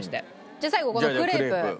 じゃあ最後このクレープ。